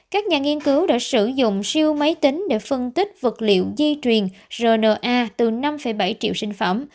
các nhà nghiên cứu đã sử dụng siêu máy tính để phân tích vật liệu di truyền rna